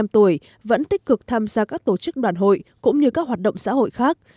một mươi năm tuổi vẫn tích cực tham gia các tổ chức đoàn hội cũng như các hoạt động xã hội khác